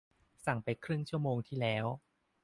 สั่งไปครึ่งชั่วโมงที่แล้ว